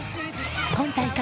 今大会